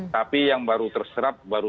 tapi yang baru terserap baru